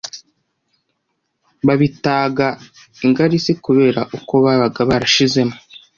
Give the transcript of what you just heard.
Babitaga ingarisi kubera uko babaga barashizemo